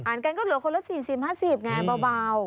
กันก็เหลือคนละ๔๐๕๐ไงเบา